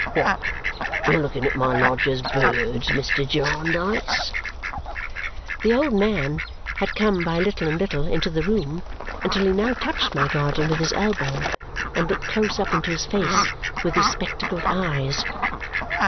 What, you're looking at my lodger's birds, Mr. Jarndyce?" The old man had come by little and little into the room until he now touched my guardian with his elbow and looked close up into his face with his spectacled eyes.